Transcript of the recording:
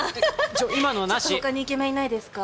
ちょっと他にイケメンいないですか？